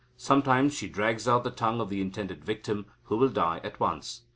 Sometimes she drags out the tongue of the intended victim, who will die at once.